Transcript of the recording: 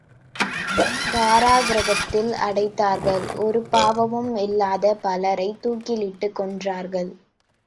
காராக்கிரகத்தில் அடைத்தார்கள் ஒரு பாவமும் இல்லாத பலரைத் தூக்கிலிட்டுக் கொன்றார்கள்!